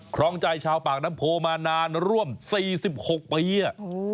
ครองใจชาวปากน้ำโพมานานร่วม๔๖ปีอ่ะ